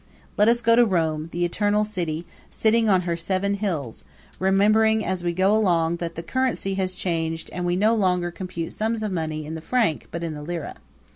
Let us go to Rome, the Eternal City, sitting on her Seven Hills, remembering as we go along that the currency has changed and we no longer compute sums of money in the franc but in the lira.